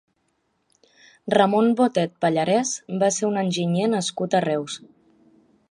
Ramon Botet Pallarès va ser un enginyer nascut a Reus.